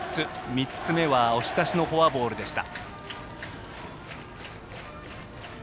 ３つ目は押し出しのフォアボールでした。